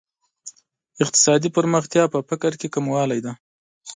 اقتصادي پرمختیا په فقر کې کموالی دی.